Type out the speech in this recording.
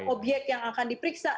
objek yang akan diperiksa